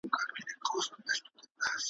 كه تل غواړئ پاچهي د شيطانانو `